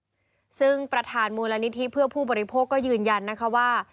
ซึ่งประธานมูลนิธิเพื่อผู้บริโภคก็ยืนยันนะคะว่า